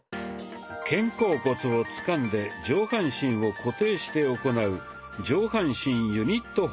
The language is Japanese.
肩甲骨をつかんで上半身を固定して行う「上半身ユニットほぐし」。